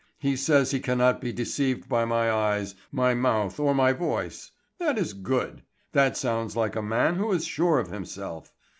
He says he cannot be deceived by my eyes, my mouth, or my voice. That is good. That sounds like a man who is sure of himself.